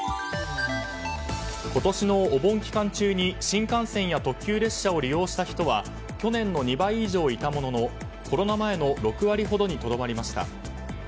今年のお盆期間中に新幹線や特急列車を利用した人は去年の２倍以上いたもののコロナ前の６割ほどにとどまりました。